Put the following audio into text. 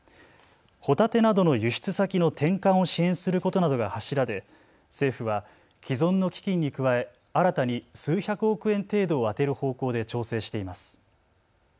ホタテなどの輸出先の転換を支援することなどが柱で政府は既存の基金に加え新たに数百億円程度を充てる方向で調整しています。